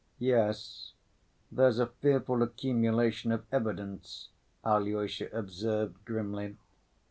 "Yes, there's a fearful accumulation of evidence," Alyosha observed grimly.